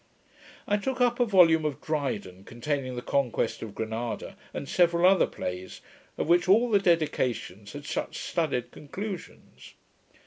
I took up a volume of Dryden, containing the Conquest of Granada, and several other plays, of which all the dedications had such studied conclusions.